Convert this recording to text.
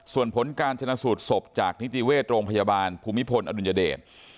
ส่วนผลการชนะสูตรศพจากนิติเวชโรงพยาบาลภูมิพลอดุลยเดช